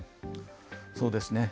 そうですね。